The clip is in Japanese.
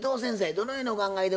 どのようにお考えでございますか？